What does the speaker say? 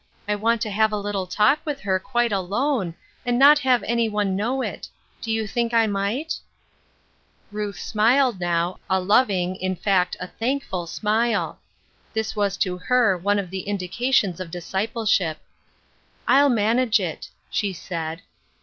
I want to have a little talk with her quite alone, and not have any one know it. Do you think I might ?" Ruth smiled now, a loving, in fact, a thankful smile ; this was to her one of the indications of discipleship. " I'll manage it," she said.